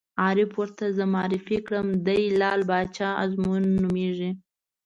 عارف ور ته زه معرفي کړم: دی لعل باچا ازمون نومېږي.